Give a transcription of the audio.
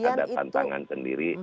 tentu ini ada tantangan sendiri